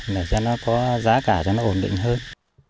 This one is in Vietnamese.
để cho nó có giá cả cho nó ổn định hơn